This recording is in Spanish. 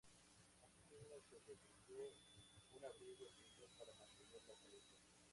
Asimismo, se le tejió un abrigo especial para mantenerla caliente.